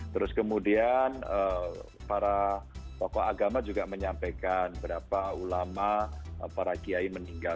terus kemudian para tokoh agama juga menyampaikan berapa ulama para kiai meninggal